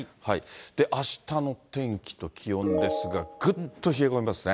あしたの天気と気温ですが、ぐっと冷え込みますね。